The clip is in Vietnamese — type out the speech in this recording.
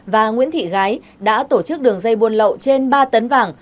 và nguyễn thị gái đã tổ chức đường dây buôn lậu trên ba tấn vàng